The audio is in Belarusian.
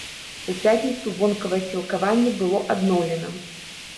У пятніцу вонкавае сілкаванне было адноўлена.